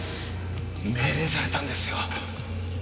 命令されたんですよ。